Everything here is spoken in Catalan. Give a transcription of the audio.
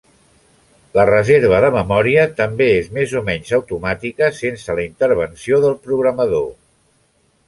La reserva de memòria també és més o menys automàtica sense la intervenció del programador.